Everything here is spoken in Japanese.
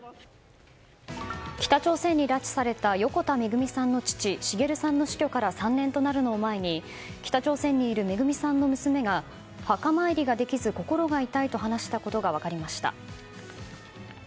北朝鮮に拉致された横田めぐみさんの父・滋さんの死去から３年となるのを前に北朝鮮にいるめぐみさんの娘が墓参りができず心が痛いと話したことが分かりました。